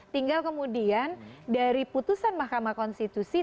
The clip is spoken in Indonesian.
tinggal kemudian dari putusan mahkamah konstitusi